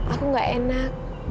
aku gak enak